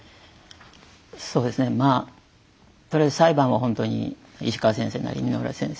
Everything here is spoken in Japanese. そうですねまあとりあえず裁判はほんとに石川先生なり箕浦先生